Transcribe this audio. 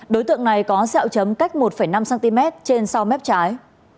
đối tượng này có xeo chấm cách một năm cm trên sau mép trái